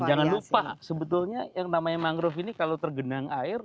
dan jangan lupa sebetulnya yang namanya mangrove ini kalau tergenang air